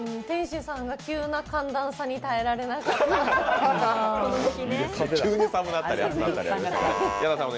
店主さんが急な寒暖差に耐えられなかった。